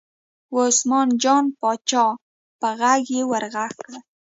وه عثمان جان پاچا په غږ یې ور غږ کړل.